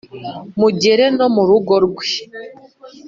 Mugere no mu rugo rwe